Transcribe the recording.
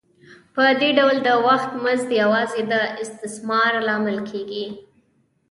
په دې ډول د وخت مزد یوازې د استثمار لامل کېږي